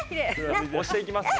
押していきますね。